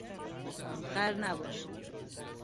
خر نباش!